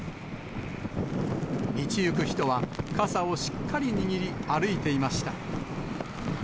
道行く人は、傘をしっかり握り、歩いていました。